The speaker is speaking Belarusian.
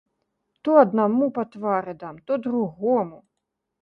То аднаму па твары дам, то другому.